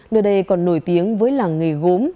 nơi đây còn nổi tiếng với làng nghề gốm